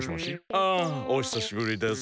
あ！おひさしぶりです。